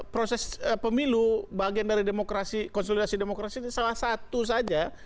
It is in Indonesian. proses pemilu bagian dari demokrasi konsolidasi demokrasi itu salah satu saja